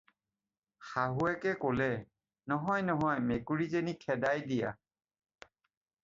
"শাহুৱেকে ক'লে, "নহয় নহয়, মেকুৰীজনী খেদাই দিয়া।"